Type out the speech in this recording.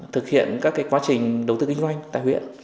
thực hiện các quá trình đầu tư kinh doanh tại huyện